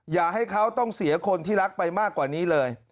อย่าให้เขาต้องเสียคนที่รักไปมากกว่านี้เลย